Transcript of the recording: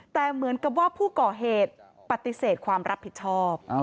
แต่เหมือนกับว่าผู้ก่อเหตุปฏิเสธความรับผิดชอบ